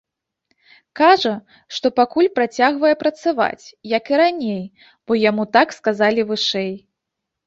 Кажа, што пакуль працягвае працаваць, як і раней, бо яму так сказалі вышэй.